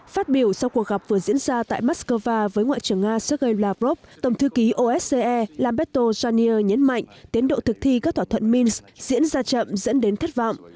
phát biểu sau cuộc gặp vừa diễn ra tại moscow với ngoại trưởng nga sergei lavrov tổng thư ký osce lamberto janier nhấn mạnh tiến độ thực thi các thỏa thuận minsk diễn ra chậm dẫn đến thất vọng